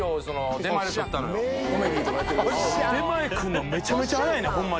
出前来るの、めちゃめちゃ早いねん、ほんまに。